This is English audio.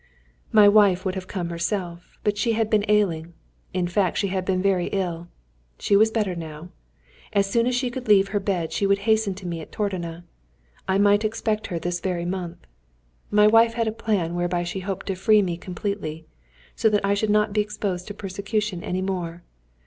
My wife would have come herself, but she had been ailing; in fact she had been very ill. She was better now. As soon as she could leave her bed she would hasten to me at Tordona. I might expect her this very month. My wife had a plan whereby she hoped to free me completely, so that I should not be exposed to persecution any more.